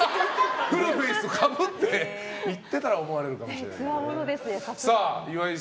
フルフェースかぶって行ってたら思われるかもだけど。